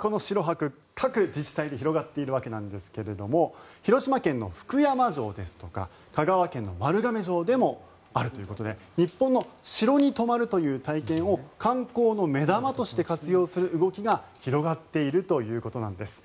この城泊、各自治体で広がっているわけですが広島県の福山城ですとか香川県の丸亀城でもあるということで日本の城に泊まるという体験を観光の目玉として活用する動きが広がっているということです。